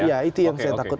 ya itu yang saya takut